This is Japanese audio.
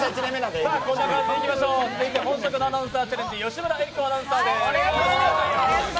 続いて本職のアナウンサーチャレンジ、吉村恵里子アナウンサーです。